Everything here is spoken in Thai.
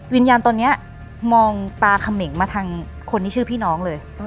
วิญญาณตอนนี้มองตาเขม่งมาทางคนที่ชื่อพี่น้องเลย